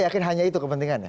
yakin hanya itu kepentingannya